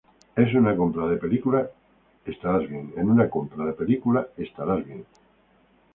En una compra de película, estarás bien.